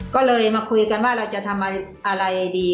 ก็เลยมาคุยกันว่าเราจะทำอะไรดี